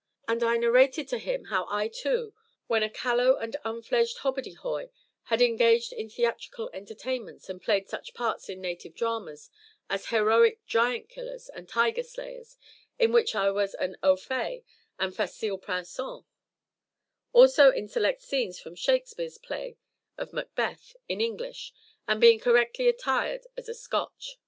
And I narrated to him how I too, when a callow and unfledged hobbardyhoy, had engaged in theatrical entertainments, and played such parts in native dramas as heroic giant killers and tiger slayers, in which I was an "au fait" and "facile princeps," also in select scenes from SHAKSPEARE'S play of Macbeth in English and being correctly attired as a Scotch.